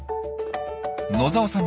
野澤さん